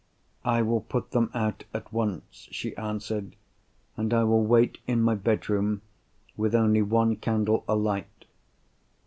"I will put them out at once," she answered. "And I will wait in my bedroom, with only one candle alight."